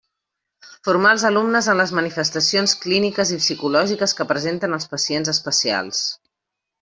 Formar els alumnes en les manifestacions clíniques i psicològiques que presenten els pacients especials.